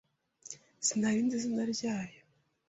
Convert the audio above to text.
Sinari nzi inzira nyayo.